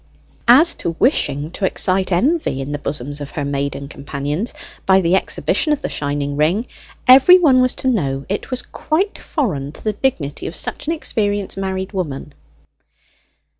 As to wishing to excite envy in the bosoms of her maiden companions, by the exhibition of the shining ring, every one was to know it was quite foreign to the dignity of such an experienced married woman.